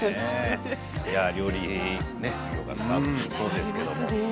料理修業がスタートしますけれども。